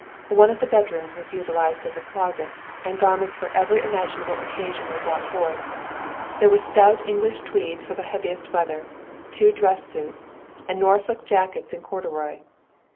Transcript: One of the bedrooms was utilized as a closet, and garments for every imaginable occasion were brought forth. There were stout English tweeds for the heaviest weather, two dress suits, and Norfolk jackets in corduroy.